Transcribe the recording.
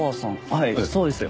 はいそうですよ。